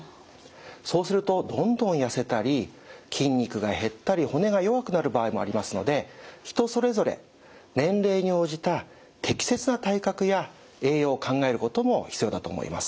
そうするとどんどんやせたり筋肉が減ったり骨が弱くなる場合もありますので人それぞれ年齢に応じた適切な体格や栄養を考えることも必要だと思います。